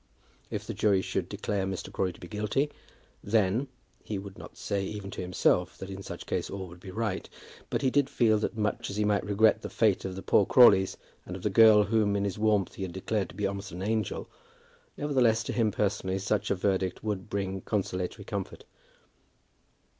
If the jury should declare Mr. Crawley to be guilty, then ; he would not say even to himself that in such case all would be right, but he did feel that much as he might regret the fate of the poor Crawleys, and of the girl whom in his warmth he had declared to be almost an angel, nevertheless to him personally such a verdict would bring consolatory comfort.